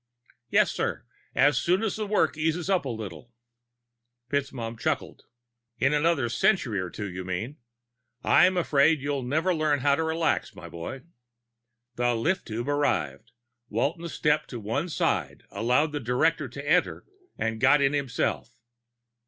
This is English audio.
"Yes, sir. As soon as the work eases up a little." FitzMaugham chuckled. "In another century or two, you mean. I'm afraid you'll never learn how to relax, my boy." The lift tube arrived. Walton stepped to one side, allowed the Director to enter, and got in himself.